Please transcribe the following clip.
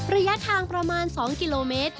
ระยะทางประมาณ๒กิโลเมตร